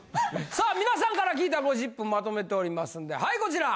さあ皆さんから聞いたゴシップまとめておりますんではいこちら！